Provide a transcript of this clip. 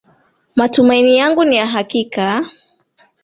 Matumaini yangu ni ya hakika,